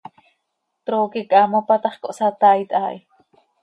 Trooqui quih haa mopa ta x, cohsataait haa hi.